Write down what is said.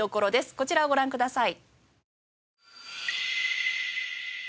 こちらをご覧ください。